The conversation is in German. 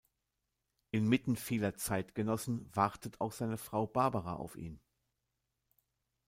Inmitten vieler Zeitgenossen wartet auch seine Frau Barbara auf ihn.